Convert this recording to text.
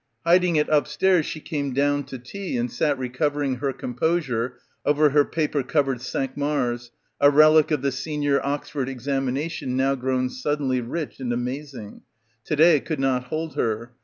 Hiding it upstairs, she came down to tea and sat recovering her com posure over her paper covered "Cinq Mars," a relic of the senior Oxford examination now grown suddenly rich and amazing. To day it could not hold her.